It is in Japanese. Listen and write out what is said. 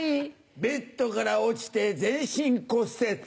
ベッドから落ちて全身骨折。